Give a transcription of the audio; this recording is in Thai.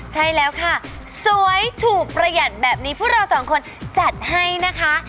ใช่แล้วค่ะสวยถูกประหยัดแบบนี้พวกเราสองคนจัดให้นะคะ